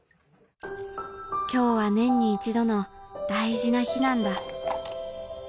今日は年に１度の大事な日なんだ